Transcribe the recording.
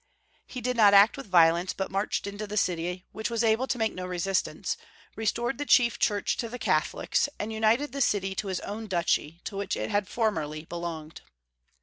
He did not act with violence, but marched into the city, which was able to make no resistance, restored the chief church to the Catholics, and united the city to his own duchy, to which it had formerly belonged.